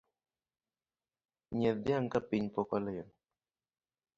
Nyiedh dhiang’ kapiny pok olil.